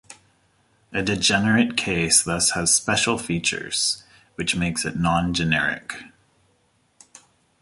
A degenerate case thus has special features, which makes it non-generic.